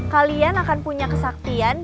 kalian akan punya kesaktian